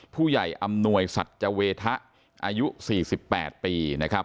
อำนวยสัจเวทะอายุ๔๘ปีนะครับ